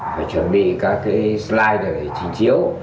phải chuẩn bị các slide để trình chiếu